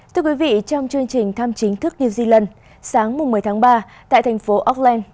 thưa quý vị trong chương trình thăm chính thức new zealand sáng một mươi tháng ba tại thành phố auckland